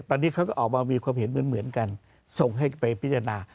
ตอนนี้เขาก็ออกมามีความเห็นเหมือนกันส่งให้ไปพิจารณา